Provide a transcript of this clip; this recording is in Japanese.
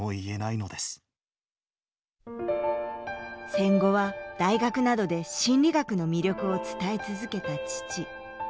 戦後は大学などで心理学の魅力を伝え続けた父。